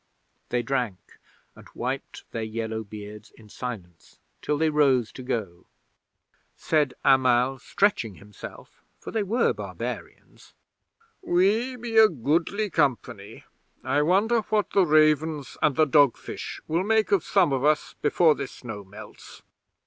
'They drank, and wiped their yellow beards in silence till they rose to go. 'Said Amal, stretching himself (for they were barbarians): "We be a goodly company; I wonder what the ravens and the dogfish will make of some of us before this snow melts."